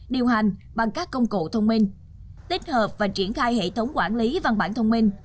điều hành bằng các công cụ thông minh tích hợp và triển khai hệ thống quản lý văn bản thông minh